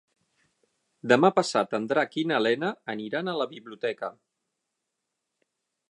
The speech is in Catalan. Demà passat en Drac i na Lena aniran a la biblioteca.